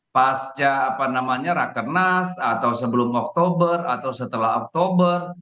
pasca apa namanya rakenas atau sebelum oktober atau setelah oktober